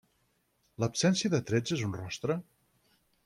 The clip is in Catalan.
L'absència de trets en un rostre?